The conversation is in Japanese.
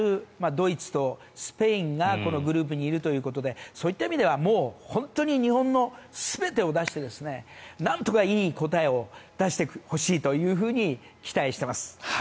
ドイツとスペインがこのグループにいるということでそういった意味ではもう本当に日本の全てを出してなんとかいい答えを出してほしいというふうに期待しています。